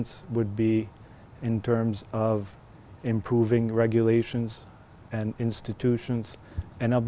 trong việt nam